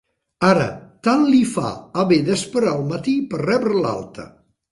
Ara tant li fa haver d'esperar al matí per rebre l'alta.